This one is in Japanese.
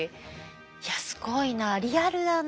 いやすごいなリアルだな。